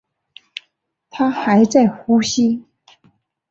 她还在呼吸